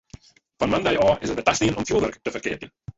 Fan moandei ôf is it wer tastien om fjoerwurk te ferkeapjen.